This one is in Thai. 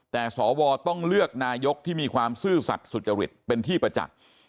แต่สวต้องเลือกนายกที่มีความซื่อสัตว์สุจริตเป็นที่ประจักษ์